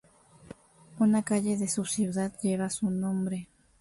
Una calle de su ciudad lleva su nombre.